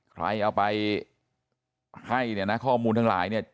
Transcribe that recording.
ใครเอาไปให้เนี่ยนะข้อมูลทั้งหลายเนี่ย